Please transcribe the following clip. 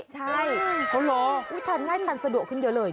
ใช่เขารอทานง่ายทันสะดวกขึ้นเยอะเลย